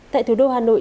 tại thủ đô hà nội